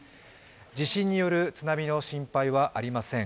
地震による津波の心配ありません。